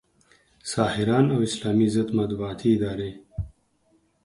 ساحران او اسلام ضد مطبوعاتي ادارې